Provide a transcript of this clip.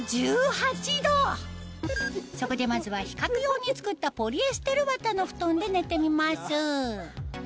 そこでまずは比較用に作ったポリエステル綿の布団で寝てみます